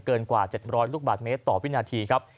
เกินกว่า๗๐๐ลูกบาทเมตรต่อวินาทีครับ